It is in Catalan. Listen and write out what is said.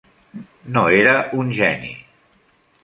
No era un geni.